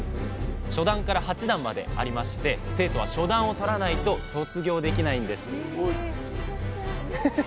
初段から八段までありまして生徒は初段を取らないと卒業できないんです